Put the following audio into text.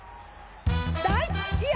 第１試合！